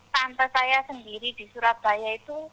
tante saya sendiri di surabaya itu